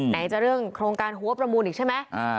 ไหนจะเรื่องโครงการหัวประมูลอีกใช่ไหม